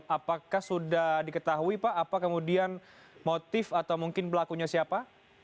apakah sudah diketahui pak apa kemudian motif atau mungkin pelakunya siapa